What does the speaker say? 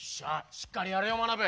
しっかりやれよまなぶ。